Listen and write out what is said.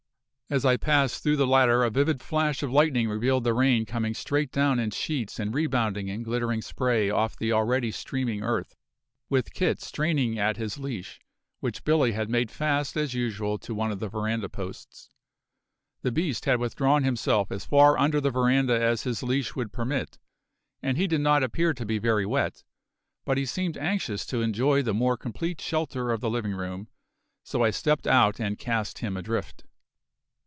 As I passed through the latter a vivid flash of lightning revealed the rain coming straight down in sheets and rebounding in glittering spray off the already streaming earth, with Kit straining at his leash, which Billy had made fast as usual to one of the veranda posts. The beast had withdrawn himself as far under the veranda as his leash would permit, and he did not appear to be very wet; but he seemed anxious to enjoy the more complete shelter of the living room, so I stepped out and cast him adrift.